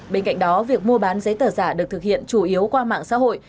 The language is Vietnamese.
bên cạnh đó việc mua bán giấy tờ giả được thực hiện chủ yếu qua mạng xã hội